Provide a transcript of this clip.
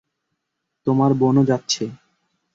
তোমার বোনও যাচ্ছে।